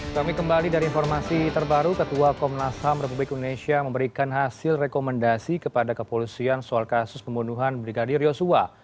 kami kembali dari informasi terbaru ketua komnas ham republik indonesia memberikan hasil rekomendasi kepada kepolisian soal kasus pembunuhan brigadir yosua